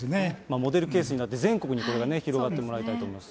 モデルケースになって、全国にこれが広がってもらいたいと思います。